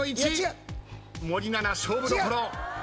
森七菜勝負どころ。